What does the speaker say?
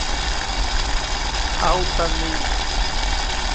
Altaneira